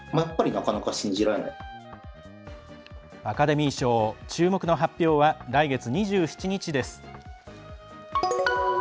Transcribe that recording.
アカデミー賞注目の発表は来月２７日です。